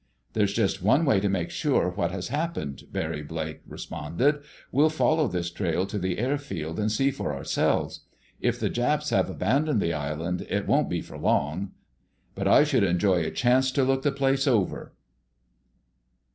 "There's just one way to make sure what has happened," Barry Blake responded. "We'll follow this trail to the airfield and see for ourselves. If the Japs have abandoned the island it won't be for long, but I should enjoy a chance to look the place over."